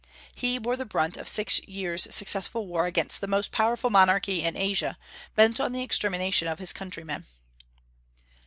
He bore the brunt of six years' successful war against the most powerful monarchy in Asia, bent on the extermination of his countrymen.